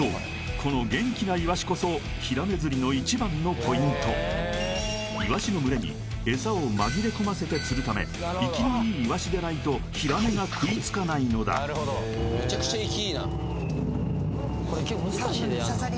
この元気なイワシこそヒラメ釣りの一番のポイントイワシの群れにエサを紛れ込ませて釣るため生きのいいイワシでないとヒラメが食いつかないのだ刺さり